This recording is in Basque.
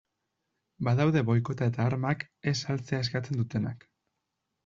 Badaude boikota eta armak ez saltzea eskatzen dutenak.